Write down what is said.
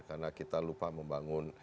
karena kita lupa membangun